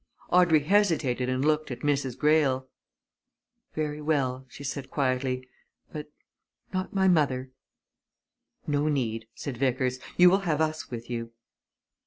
Audrey hesitated and looked at Mrs. Greyle. "Very well," she said quietly. "But not my mother." "No need!" said Vickers. "You will have us with you."